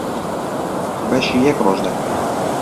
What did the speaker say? بەشی یەک ڕۆژ دەکات.